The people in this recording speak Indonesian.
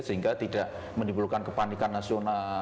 sehingga tidak menimbulkan kepanikan nasional